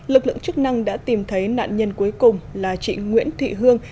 lực lượng chức năng đã tìm thấy nạn nhân cuối cùng là chị nguyễn thị hương